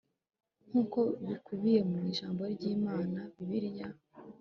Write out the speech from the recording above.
nk uko bikubiye mu ijambo ry imana bibiliya